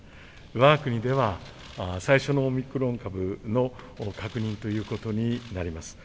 わが国では最初のオミクロン株の確認ということになります。